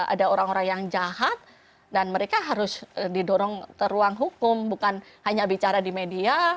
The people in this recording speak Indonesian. ada orang orang yang jahat dan mereka harus didorong ke ruang hukum bukan hanya bicara di media